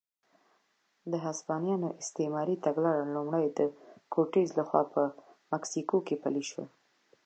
د هسپانویانو استعماري تګلاره لومړی د کورټز لخوا په مکسیکو کې پلې شوه.